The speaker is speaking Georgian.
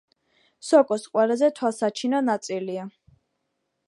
სოკოს ყველაზე თვალსაჩინო ნაწილია.